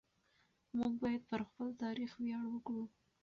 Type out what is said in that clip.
موږ باید پر خپل تاریخ ویاړ وکړو.